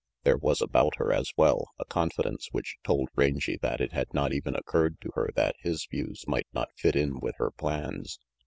There was about her, as well, a confidence which told Rangy that it had not even occurred to her that his views might not fit in with her plans.